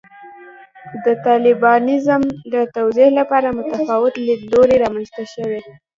د طالبانیزم د توضیح لپاره متفاوت لیدلوري رامنځته شوي.